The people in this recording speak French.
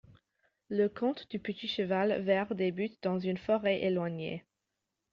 Le conte du petit cheval vert débute dans une forêt éloignée.